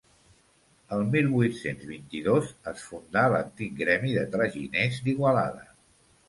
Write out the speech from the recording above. El mil vuit-cents vint-i-dos es funda l'antic Gremi de Traginers d'Igualada.